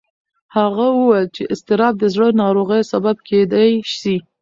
هغه وویل چې اضطراب د زړه ناروغیو سبب کېدی شي.